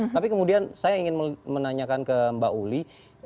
tapi kemudian saya ingin menanyakan ke mbak uli